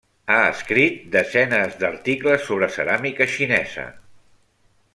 Ha escrit desenes d'articles sobre ceràmica xinesa.